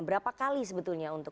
berapa kali sebetulnya untuk